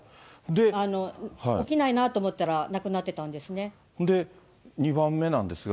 起きないなと思ったら、亡くなっで、２番目なんですが。